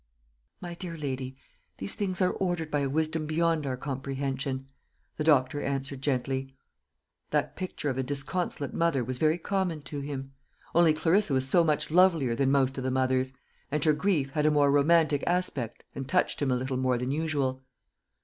"My dear lady, these things are ordered by a Wisdom beyond our comprehension," the doctor answered gently. That picture of a disconsolate mother was very common to him only Clarissa was so much lovelier than most of the mothers, and her grief had a more romantic aspect and touched him a little more than usual.